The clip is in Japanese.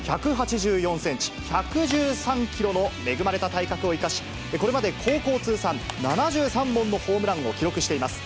１８４センチ、１１３キロの恵まれた体格を生かし、これまで高校通算７３本のホームランを記録しています。